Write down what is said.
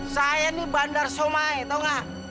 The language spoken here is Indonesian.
saya ini bandar somai tau gak